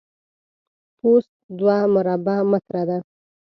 پوست دوه مربع متره ده.